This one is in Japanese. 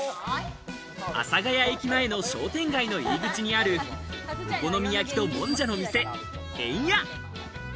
阿佐ヶ谷駅前の商店街の入口にあるお好み焼きと、もんじゃの店、縁家。